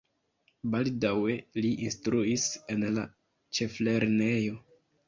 Baldaŭe li instruis en la ĉeflernejo.